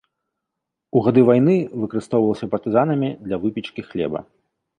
У гады вайны выкарыстоўвалася партызанамі для выпечкі хлеба.